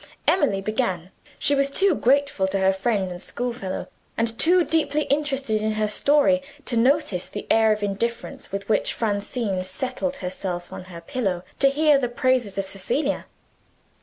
Emily began. She was too grateful to her friend and school fellow, and too deeply interested in her story, to notice the air of indifference with which Francine settled herself on her pillow to hear the praises of Cecilia.